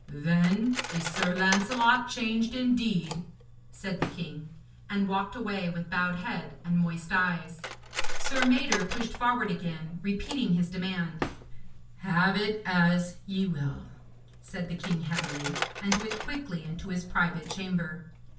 'Then is Sir Lancelot changed indeed,' said the king, and walked away with bowed head and moist eyes. Sir Mador pushed forward again, repeating his demand. 'Have it as ye will,' said the king heavily, and went quickly into his private chamber.